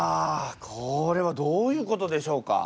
これはどういうことでしょうか？